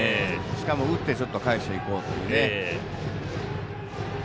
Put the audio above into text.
しかも打って返していこうというね。